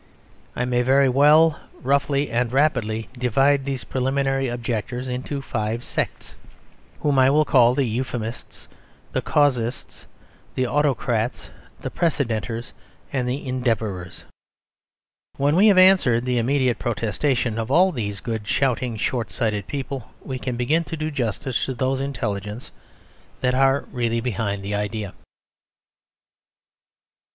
I may very roughly and rapidly divide these preliminary objectors into five sects; whom I will call the Euphemists, the Casuists, the Autocrats, the Precedenters, and the Endeavourers. When we have answered the immediate protestation of all these good, shouting, short sighted people, we can begin to do justice to those intelligences that are really behind the idea.